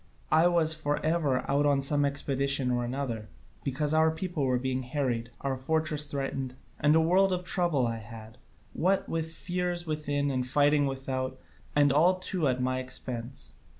I was for ever out on some expedition or other, because our people were being harried, or our fortresses threatened, and a world of trouble I had, what with fears within and fighting without, and all too at my own expense.